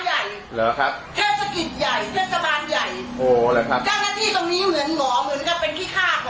ยิ่งใหญ่ม